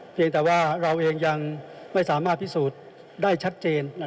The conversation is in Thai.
เพียงแต่ว่าเราเองยังไม่สามารถพิสูจน์ได้ชัดเจน